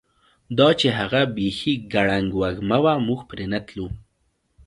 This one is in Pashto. دا چې هغه بیخي ګړنګ وزمه وه، موږ پرې نه تلو.